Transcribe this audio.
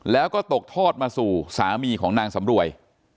แล้วก็ตกทอดมาสู่สามีของนางสำรวย